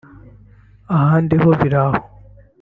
ahandi ho biraba